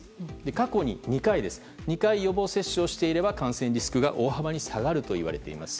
過去に２回予防接種をしていれば感染リスクが大幅に下がるといわれています。